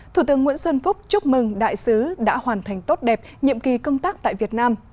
thủ tướng nguyễn xuân phúc chúc mừng đại sứ đã hoàn thành tốt đẹp nhiệm kỳ công tác tại việt nam